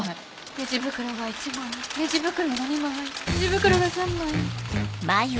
レジ袋が１枚レジ袋が２枚レジ袋が３枚。